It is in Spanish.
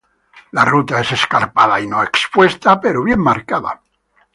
La ruta es escarpada y no expuesta, pero bien marcada.